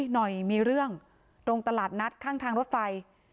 หน่อยมีเรื่องตรงตลาดนัดข้างทางรถไฟ